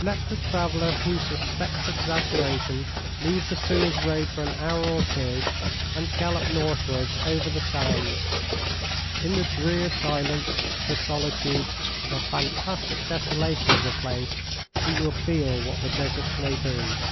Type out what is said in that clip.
Let the traveller who suspects exaggeration leave the Suez road for an hour or two, and gallop northwards over the sands: in the drear silence, the solitude, and the fantastic desolation of the place, he will feel what the Desert may be.